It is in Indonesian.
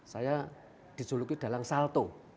saya dijuluki dalang salto